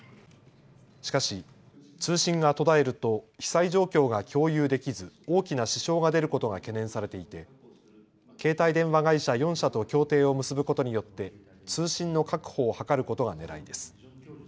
しかし通信が途絶えると被災状況が共有できず大きな支障が出ることが懸念されていて携帯電話会社４社と協定を結ぶことによって通信の確保を図ることがねらいです。